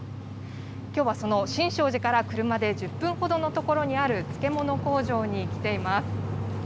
きょうはその新勝寺から車で１０分ほどの所にある漬物工場に来ています。